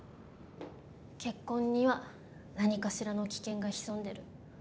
結婚には何かしらの危険が潜んでる。